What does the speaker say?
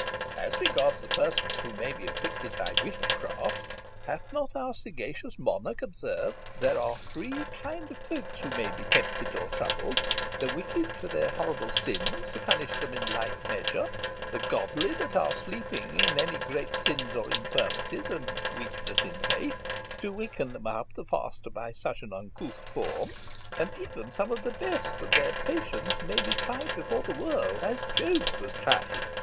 As regards the persons who may be afflicted by witchcraft, hath not our sagacious monarch observed, that 'There are three kind of folks who may be tempted or troubled: the wicked for their horrible sins, to punish them in the like measure; the godly that are sleeping in any great sins or infirmities, and weakness in faith, to waken them up the faster by such an uncouth form; and even some of the best, that their patience may be tried before the world as Job's was tried.